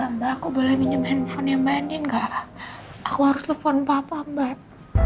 mbak aku boleh minum handphonenya mbak andien gak aku harus telepon papa mbak